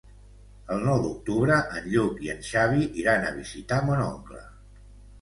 El nou d'octubre en Lluc i en Xavi iran a visitar mon oncle.